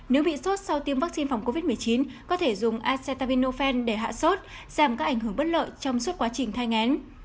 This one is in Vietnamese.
nếu bị sốt sau tiêm vắc xin phòng covid một mươi chín có thể dùng acetaminophen để hạ sốt giảm các ảnh hưởng bất lợi trong suốt quá trình thai ngán